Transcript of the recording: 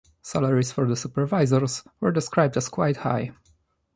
Salaries for the supervisors were described as "quite high".